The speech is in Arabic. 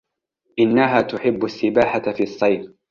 إنها تحب السباحة في الصيف.